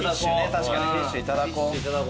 確かにフィッシュいただこう。